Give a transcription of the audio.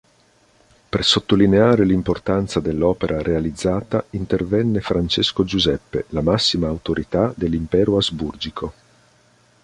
Per sottolineare l'importanza dell'opera realizzata intervenne Francesco Giuseppe, la massima autorità dell'Impero Asburgico.